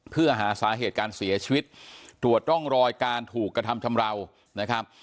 เพื่อหาสาเหตุการเสียชีวิตตรวจร่องรอยการถูกกระทำชำราวนะครับ